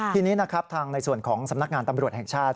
ทีนี้นะครับทางในส่วนของสำนักงานตำรวจแห่งชาติ